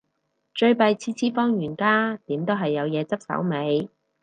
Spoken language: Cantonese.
最弊次次放完假，點都係有嘢執手尾